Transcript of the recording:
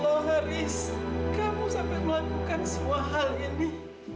allah haris kamu sampai melakukan sebuah hal ini